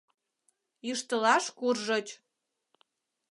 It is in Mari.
Йӱштылаш куржыч.